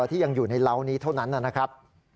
ที่ยังอยู่ในเล้านี้เท่านั้นนะครับ